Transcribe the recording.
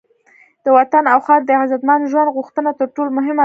د وطن او خاوره د عزتمند ژوند غوښتنه تر ټولو مهمه ده.